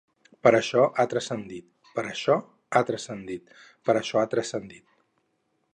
Però això ha transcendit, però això ha transcendit, però això ha transcendit.